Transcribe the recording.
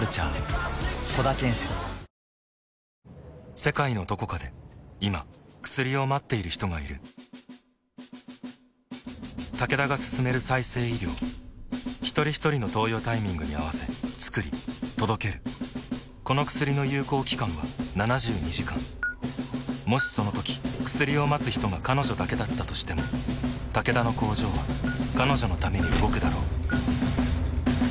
世界のどこかで今薬を待っている人がいるタケダが進める再生医療ひとりひとりの投与タイミングに合わせつくり届けるこの薬の有効期間は７２時間もしそのとき薬を待つ人が彼女だけだったとしてもタケダの工場は彼女のために動くだろう